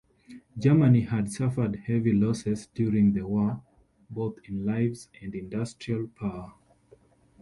Germany had suffered heavy losses during the war, both in lives and industrial power.